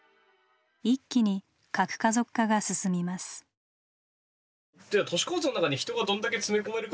一気に核家族化が進みます。